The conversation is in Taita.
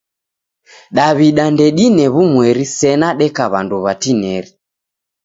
Daw'ida ndedine w'umweri sena deka w'andu w'atineri.